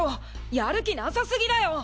やる気なさすぎだよ！